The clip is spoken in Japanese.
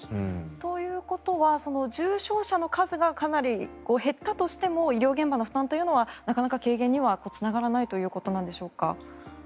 ということは重症者の数がかなり減ったとしても医療現場の負担はなかなか軽減にはつながらないということでしょうか。